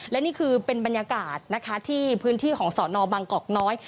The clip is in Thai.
และนี่คือเป็นบรรยากาศนะคะที่พื้นที่ของสอนอบางกอกน้อย